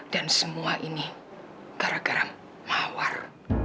dan semua ini gara gara mawar